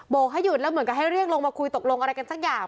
กให้หยุดแล้วเหมือนกับให้เรียกลงมาคุยตกลงอะไรกันสักอย่าง